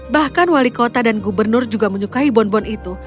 bahkan wali kota dan gubernur juga menyukai bonbon itu